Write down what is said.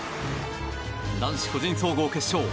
男子個人総合決勝。